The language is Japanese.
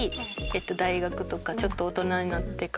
大学とかちょっと大人になってから。